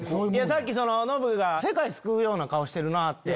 さっきノブが「世界救うような顔してる」って。